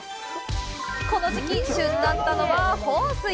この時期、旬だったのは豊水。